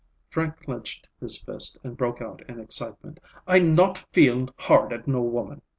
Frank clenched his fist and broke out in excitement. "I not feel hard at no woman.